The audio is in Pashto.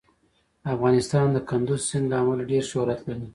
افغانستان د کندز سیند له امله ډېر شهرت لري.